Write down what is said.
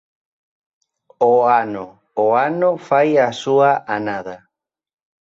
O ano, o ano fai a súa anada.